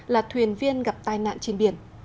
là thuyền viên gặp tai nạn trên biển